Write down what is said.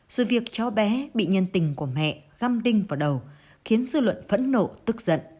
sự việc cho bé bị nhân tình của mẹ găm đinh vào đầu khiến dư luận phẫn nộ tức